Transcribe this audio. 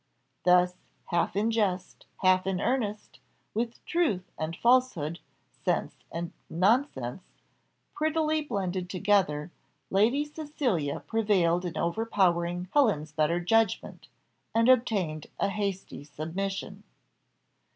Thus, half in jest, half in earnest, with truth and falsehood, sense and nonsense, prettily blended together, Lady Cecilia prevailed in overpowering Helen's better judgment, and obtained a hasty submission.